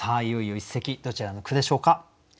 いよいよ一席どちらの句でしょうか。